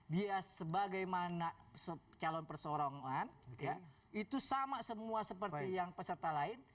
dia sebagaimana calon persorongan itu sama semua seperti yang peserta lain